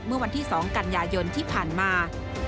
เมื่อวันที่๒กันยายนที่ผ่านมา